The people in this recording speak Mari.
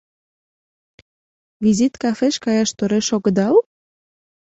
— “Визит” кафеш каяш тореш огыдал?